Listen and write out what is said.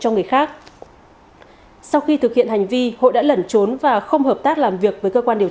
cho người khác sau khi thực hiện hành vi hội đã lẩn trốn và không hợp tác làm việc với cơ quan điều